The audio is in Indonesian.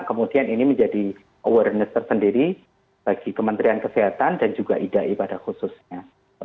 kemudian ini menjadi awareness tersendiri bagi kementerian kesehatan dan juga idai pada khususnya